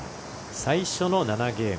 最初の７ゲーム